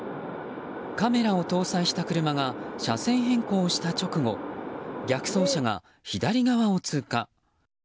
カメラを搭載した車が車線変更した直後、逆走車が左側を通過。